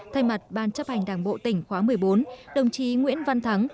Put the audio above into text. thay mặt ban chấp hành đảng bộ tỉnh khóa một mươi bốn đồng chí nguyễn văn thắng